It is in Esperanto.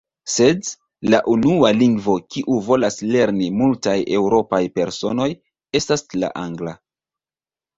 Sed, la unua lingvo kiu volas lerni multaj eŭropaj personoj, estas la angla.